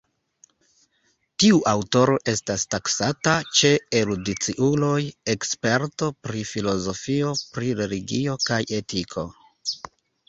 Tiu aŭtoro estas taksata, ĉe erudiciuloj, eksperto pri filozofio, pri religio kaj etiko.